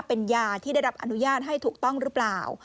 เป็นยาที่ได้รับอนุญาตให้ถูกต้องหรือเปล่า